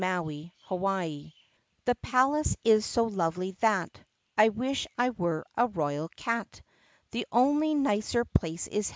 CHAPTER XI The palace is so lovely that I wish I were a royal cat. The only nicer place is.